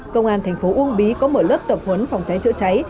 công an thành phố uông bí có mở lớp tập huấn phòng cháy chữa cháy